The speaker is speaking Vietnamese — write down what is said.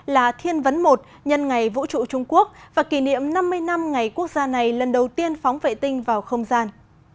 là thiên vấn i nhân ngày vũ trụ trung quốc và kỷ niệm năm mươi năm ngày quốc gia này lần đầu tiên phóng vệ tinh vào không gian